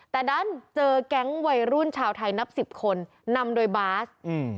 แต่ดันเจอแก๊งวัยรุ่นชาวไทยนับสิบคนนำโดยบาสอืม